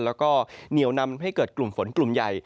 แล้วก็เหนียวนำให้เกิดกลุ่มฝนกลุ่มใหญ่